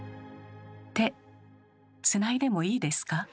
「手つないでもいいですか？」。